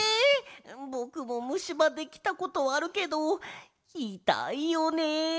ぼくもむしばできたことあるけどいたいよね。